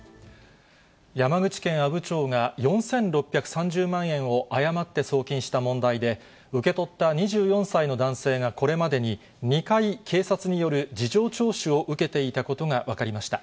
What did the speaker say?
山口県阿武町が４６３０万円を誤って送金した問題で、受け取った２４歳の男性がこれまでに、２回警察による事情聴取を受けていたことが分かりました。